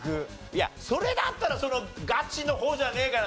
いやそれだったらガチの方じゃねえかな？